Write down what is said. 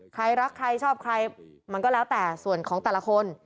ใครรักใครชอบใครมันก็แล้วแต่ส่วนของแต่ละคน